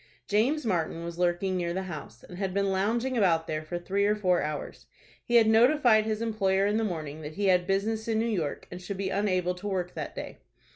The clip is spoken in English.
James Martin was lurking near the house, and had been lounging about there for three or four hours He had notified his employer in the morning that he had business in New York, and should be unable to work that day.